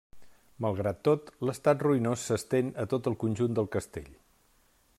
Malgrat tot, l'estat ruïnós s'estén a tot el conjunt del castell.